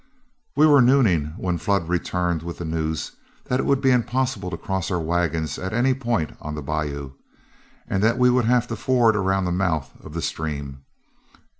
We were nooning when Flood returned with the news that it would be impossible to cross our wagon at any point on the bayou, and that we would have to ford around the mouth of the stream.